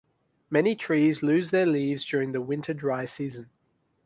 Many trees lose their leaves during the winter dry season.